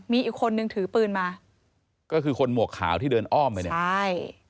มีอีกคนนึงถือปืนมาก็คือคนหมวกขาวที่เดินอ้อมไปเนี่ยใช่